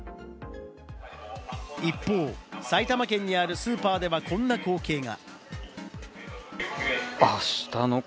一方、埼玉県にあるスーパーではこんな光景が。